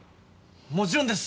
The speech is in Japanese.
もちろんです。